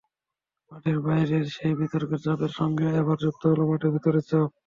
মাঠের বাইরের সেই বিতর্কের চাপের সঙ্গে এবার যুক্ত হলো মাঠের ভেতরের চাপ।